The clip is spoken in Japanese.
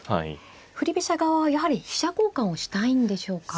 振り飛車側はやはり飛車交換をしたいんでしょうか。